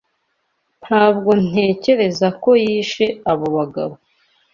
Ntabwo ntekereza ko yishe abo bagabo.